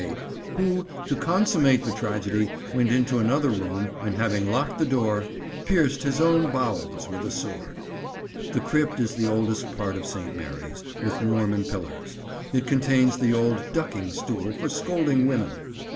1628, who, to consummate the tragedy, went into another room, and, having lockit the dore, pierced his own bowells with a sword." The crypt is the oldest part of St. Mary's, with Norman pillars. It contains the old ducking stool for scolding women.